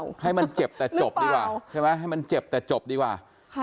เอาให้มันเจ็บแต่จบดีกว่าใช่ไหมให้มันเจ็บแต่จบดีกว่าค่ะ